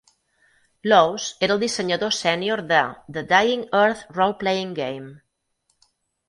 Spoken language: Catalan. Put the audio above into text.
Laws era el dissenyador sènior de "The Dying Earth Roleplaying Game".